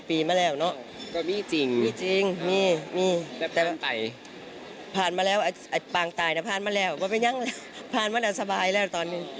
เป็นยังแล้วพันวันอาจจะสบายแล้วตอนนี้